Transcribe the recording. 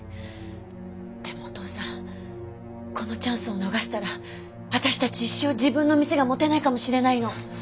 でもお父さんこのチャンスを逃したら私たち一生自分の店が持てないかもしれないの。